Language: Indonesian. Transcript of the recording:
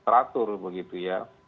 ratur begitu ya